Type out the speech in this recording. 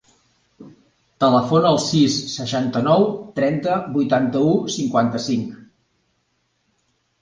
Telefona al sis, seixanta-nou, trenta, vuitanta-u, cinquanta-cinc.